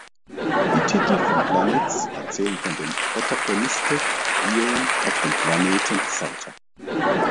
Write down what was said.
Die Titel von "Planets" erzählen von dem Protagoniste Ion auf dem Planeten Salta.